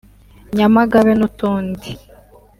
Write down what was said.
Nyamagabe n’utundi